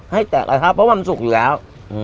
ให้แตกกระทะพเพราะว่ามันสุกอยู่แล้ว